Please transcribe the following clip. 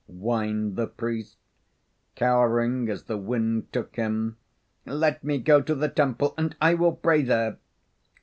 whined the priest, cowering as the wind took him. "Let me go to the temple, and I will pray there."